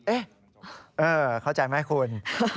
เอ๊ะเออเข้าใจไหมคุณ